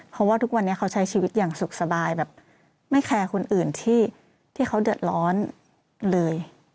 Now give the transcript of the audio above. เพราะว่าทุกวันนี้เขาใช้ชีวิตอย่างสุขสบายแบบไม่แคร์คนอื่นที่เขาเดือดร้อนเลย